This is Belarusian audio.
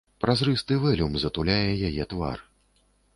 Празрысты вэлюм затуляе яе твар.